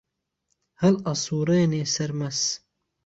هەڵ ئەسووڕێنێ سەرمەس